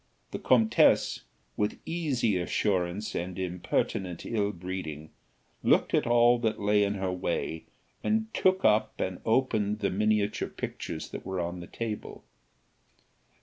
The comtesse, with easy assurance and impertinent ill breeding, looked at all that lay in her way, and took up and opened the miniature pictures that were on the table.